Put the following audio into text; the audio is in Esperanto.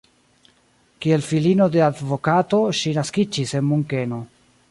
Kiel filino de advokato ŝi naskiĝis en Munkeno.